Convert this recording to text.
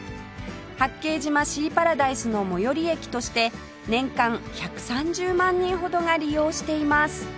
八景島シーパラダイスの最寄り駅として年間１３０万人ほどが利用しています